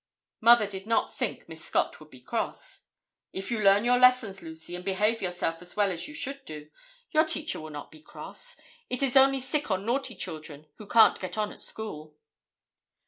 Mother did not think Miss Scott would be cross. "If you learn your lessons, Lucy, and behave yourself as well as you should do, your teacher will not be cross. It is only sick or naughty children who can't get on at school."